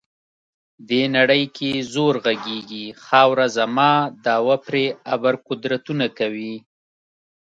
دې نړۍ کې زور غږیږي، خاوره زما دعوه پرې ابر قدرتونه کوي.